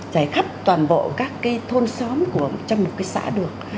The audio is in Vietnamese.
trải khắp toàn bộ các cái thôn xóm trong một cái xã được